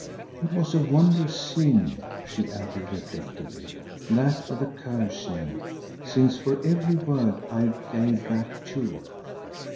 "It was a wondrous scene," she added reflectively, "that of the cursing, since for every word I gave back two.